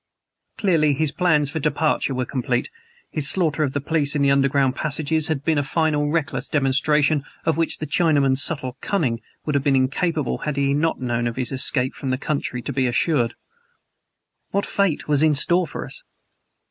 Clearly his plans for departure were complete; his slaughter of the police in the underground passages had been a final reckless demonstration of which the Chinaman's subtle cunning would have been incapable had he not known his escape from the country to be assured. What fate was in store for us?